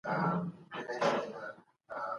مخه مه نیسئ.